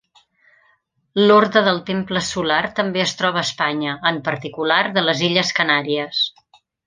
L'Orde del Temple solar també es troba a Espanya, en particular, de les illes Canàries.